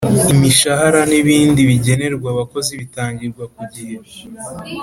imishahara n ibindi bigenerwa abakozi bitangirwa kugihe